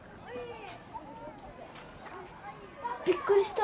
びっくりした。